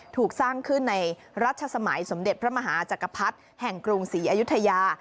ถูกสร้างขึ้นในรัชสมัยสมเด็จพระมหาจักรพรรดิแห่งกรุงศรีอยุธยา